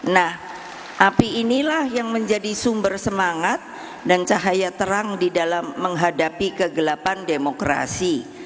nah api inilah yang menjadi sumber semangat dan cahaya terang di dalam menghadapi kegelapan demokrasi